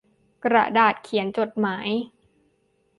กระดาษเขียนจดหมาย